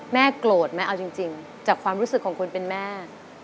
โกรธไหมเอาจริงจากความรู้สึกของคนเป็นแม่